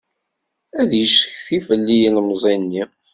Ad yeccetki fell-i yilemẓi-nni.